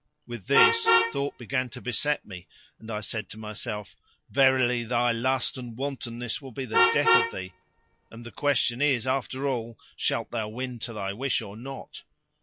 With this, thought began to beset me and I said to myself, "Verily thy lust and wantonness will be the death of thee; and the question is after all shalt thou win to thy wish or not?"